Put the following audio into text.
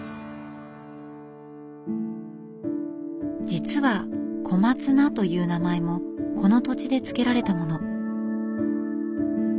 実は小松菜という名前もこの土地で付けられたもの。